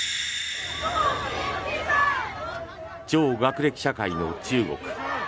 超学歴社会の中国。